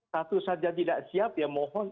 satu saja tidak siap ya mohon